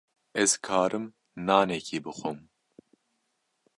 Ez karim nanekî bixwim.